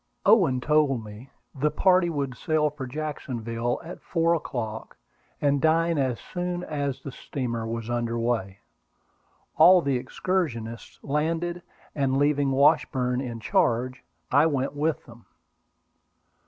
Owen told me the party would sail for Jacksonville at four o'clock, and dine as soon as the steamer was under way. All the excursionists landed, and leaving Washburn in charge, I went with them.